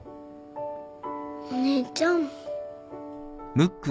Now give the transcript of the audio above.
お姉ちゃん。